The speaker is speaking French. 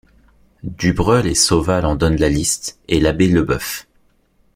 Du Breul et Sauval en donnent la liste, et l’abbé Lebeuf.